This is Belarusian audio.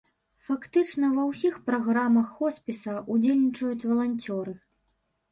Фактычна ва ўсіх праграмах хоспіса ўдзельнічаюць валанцёры.